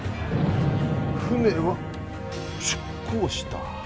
船は出港した。